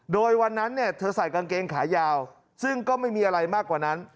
โดยวันนั้นเนี่ยเธอใส่กางเกงขายาวซึ่งก็ไม่มีอะไรมากกว่านั้น